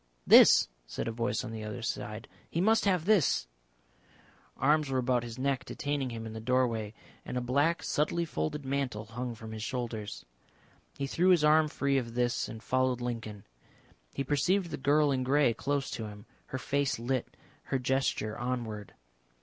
"This," said a voice on the other side, "he must have this." Arms were about his neck detaining him in the doorway, and a black subtly folding mantle hung from his shoulders. He threw his arm free of this and followed Lincoln. He perceived the girl in grey close to him, her face lit, her gesture onward.